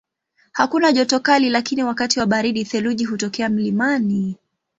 Hakuna joto kali lakini wakati wa baridi theluji hutokea mlimani.